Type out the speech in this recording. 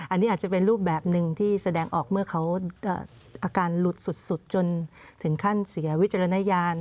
อันนี้อาจจะเป็นรูปแบบหนึ่งที่แสดงออกเมื่อเขาอาการหลุดสุดจนถึงขั้นเสียวิจารณญาณ